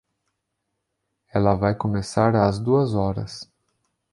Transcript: Ela vai começar às duas horas.